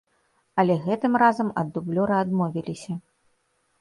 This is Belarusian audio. Але гэтым разам ад дублёра адмовіліся.